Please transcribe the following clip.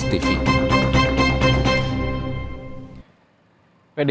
pdi perjuangan memastikan tidak mengundang perjuangan